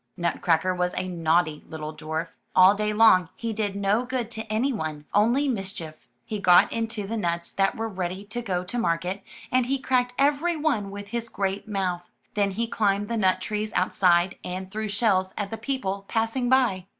Nutcracker was a naughty little dwarf. All day long he did no good to anyone — only mischief. He got into the nuts that were ready to go to market, and he cracked every one with his great mouth. Then he climbed the nut trees outside, and threw shells at the people passing by.